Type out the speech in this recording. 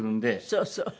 そうそう。